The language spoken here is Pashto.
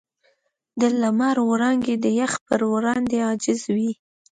د لمر وړانګې د یخ پر وړاندې عاجزې وې.